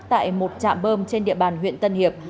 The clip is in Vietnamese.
tại một trạm bơm trên địa bàn huyện tân hiệp